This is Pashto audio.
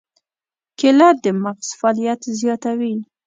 کېله د مغز فعالیت زیاتوي.